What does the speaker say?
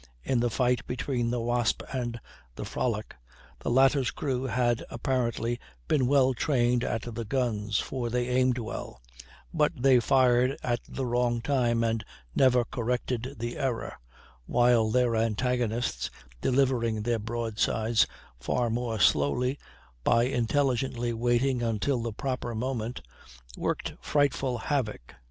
In the fight between the Wasp and the Frolic, the latter's crew had apparently been well trained at the guns, for they aimed well; but they fired at the wrong time, and never corrected the error; while their antagonists, delivering their broadsides far more slowly, by intelligently waiting until the proper moment, worked frightful havoc.